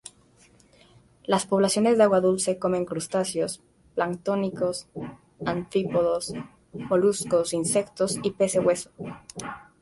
Las poblaciones de agua dulce comen crustáceos planctónicos, anfípodos, moluscos, insectos y peces hueso.